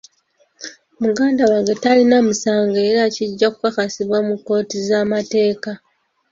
Muganda wange talina musango era kijja kukakasibwa mu kkooti z'amateeka.